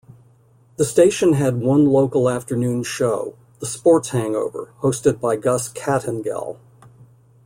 The station had one local afternoon show, "The Sports Hangover", hosted by Gus Kattengell.